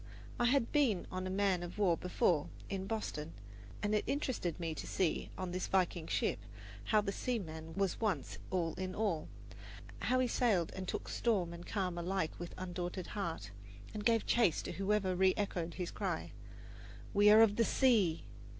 I had been on a man of war before, in Boston, and it interested me to see, on this Viking ship, how the seaman was once all in all how he sailed and took storm and calm alike with undaunted heart, and gave chase to whosoever reechoed his cry, "We are of the sea!"